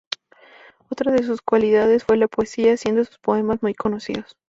Otra de sus cualidades fue la poesía, siendo sus poemas muy conocidos.